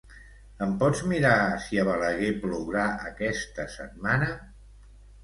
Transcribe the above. Em pots mirar si a Balaguer plourà aquesta setmana?